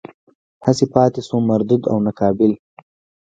هسې پاتې شوم مردود او ناقابل.